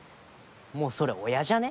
もうそれ親じゃね？